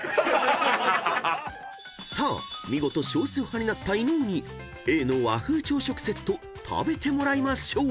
［さあ見事少数派になった伊野尾にＡの和風朝食セット食べてもらいましょう］